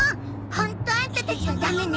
ホントあんたたちはダメね。